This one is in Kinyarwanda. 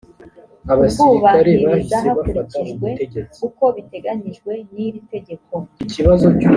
kubwubahiriza hakurikijwe uko biteganyijwe n iri tegeko